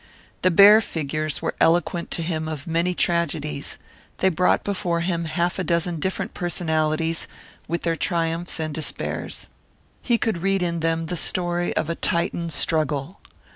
The bare figures were eloquent to him of many tragedies; they brought before him half a dozen different personalities, with their triumphs and despairs. He could read in them the story of a Titan struggle.